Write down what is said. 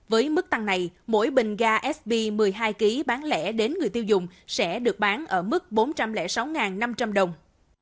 với mức tăng này mỗi bình ga sp một mươi hai kg bán lẻ đến người tiêu dùng sẽ được bán ở mức bốn trăm linh sáu năm trăm linh đồng